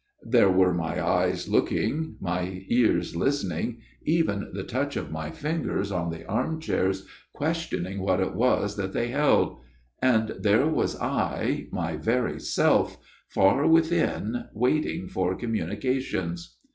There were my eyes looking, my ears listening, even the touch of my fingers on the chair arms questioning what it was that they held : and there was I my very self far within waiting for communications.